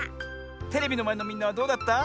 テレビのまえのみんなはどうだった？